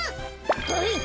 はい！